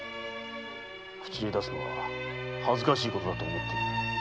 口に出すのは恥ずかしいことだと思っている。